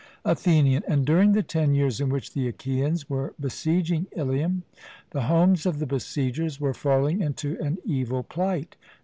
ATHENIAN: And during the ten years in which the Achaeans were besieging Ilium, the homes of the besiegers were falling into an evil plight.